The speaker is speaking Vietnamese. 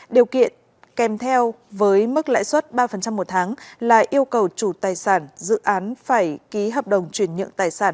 điều kiện kèm theo với mức lãi suất ba một tháng là yêu cầu chủ tài sản dự án phải ký hợp đồng truyền nhượng tài sản